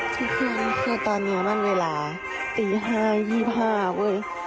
ทุกคนค่ะตอนนี้มันเวลาตี๕๒๕เว้ย